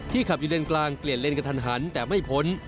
ขับอยู่เลนกลางเปลี่ยนเลนกระทันหันแต่ไม่พ้น